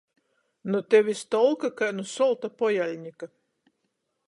Nu tevis tolka kai nu solta pojaļnika.